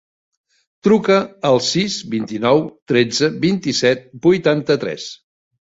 Truca al sis, vint-i-nou, tretze, vint-i-set, vuitanta-tres.